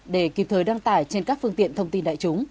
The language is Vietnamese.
để kịp thời đăng tải trên các phương tiện thông tin đại chúng